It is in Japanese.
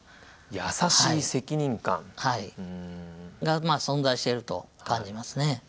「優しい責任感」。が存在してると感じますね。